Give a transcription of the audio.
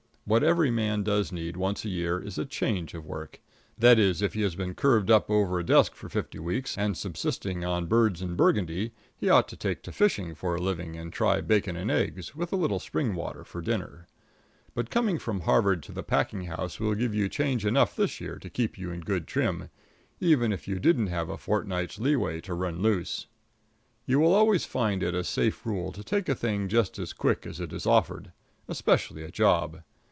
What every man does need once a year is a change of work that is, if he has been curved up over a desk for fifty weeks and subsisting on birds and burgundy, he ought to take to fishing for a living and try bacon and eggs, with a little spring water, for dinner. But coming from Harvard to the packing house will give you change enough this year to keep you in good trim, even if you didn't have a fortnight's leeway to run loose. You will always find it a safe rule to take a thing just as quick as it is offered especially a job.